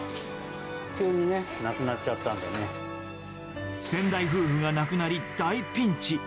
急にね、亡くなっちゃったん先代夫婦が亡くなり、大ピンチ。